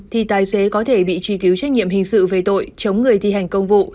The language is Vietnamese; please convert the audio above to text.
thì tài xế có thể bị truy cứu trách nhiệm hình sự về tội chống người thi hành công vụ